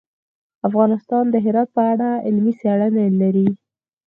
افغانستان د هرات په اړه علمي څېړنې لري.